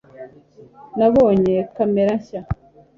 nabonye kamera nshya